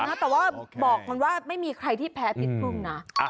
แต่ว่าบอกมันว่าไม่มีใครที่แพ้พิษพึ่งนะ